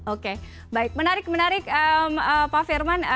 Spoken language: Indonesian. oke baik menarik menarik pak firman